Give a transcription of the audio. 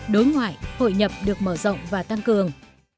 đối ngoại hội nhập được mở rộng và tăng cường